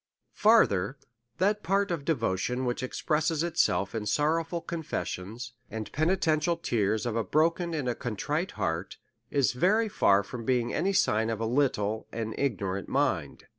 Farther : That part of devotion which expresses it self in sorrowful confession, and penitential tears of a broken and contrite heart, is very far from being any sign of a little and ignorant mind.